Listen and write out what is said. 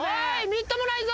みっともないぞ。